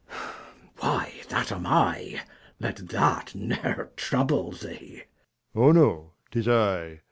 Why that am I, let that ne'er trouble thee. Leir. Oh no, 'tis I.